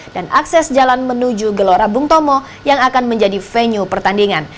dan akses jalan menuju gelora bung tomo yang akan menjadi venue pertandingan